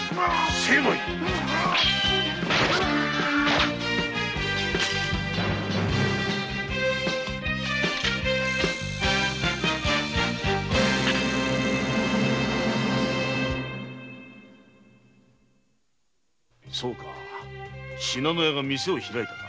信濃屋が店を開いたか。